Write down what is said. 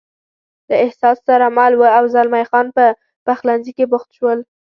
له احساس سره مل و، او زلمی خان په پخلنځي کې بوخت شول.